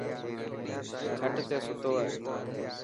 کٽ تي ستو هي.